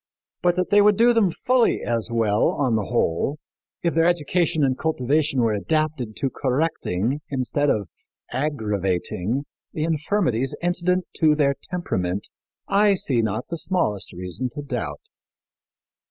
But that they would do them fully as well, on the whole, if their education and cultivation were adapted to correcting instead of aggravating the infirmities incident to their temperament, I see not the smallest reason to doubt."